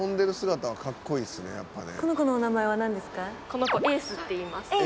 この子エースっていいます。